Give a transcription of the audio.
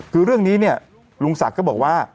คือเรื่องนี้เนี่ยลุงศักดิ์ก็บอกว่า